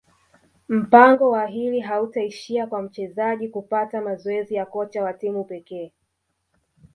mpango wa hili hautaishia kwa mchezaji kuishia kupata mazoezi ya kocha wa timu pekee